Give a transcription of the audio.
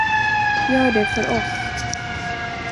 Gör det för oss.